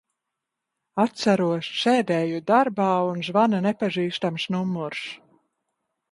Atceros, sēdēju darbā un zvana nepazīstams numurs.